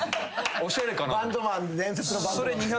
おしゃれかなと。